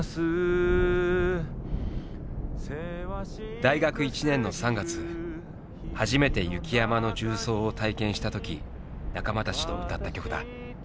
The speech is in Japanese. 大学１年の３月初めて雪山の縦走を体験したとき仲間たちと歌った曲だ。